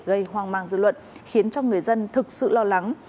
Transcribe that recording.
gây hoang mang dư luận khiến cho người dân thực sự lo lắng